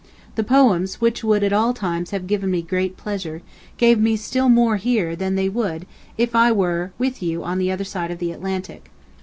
The poems, which would at all times have given me great pleasure, gave me still more here than they would if I were with you on the other side of the Atlantic.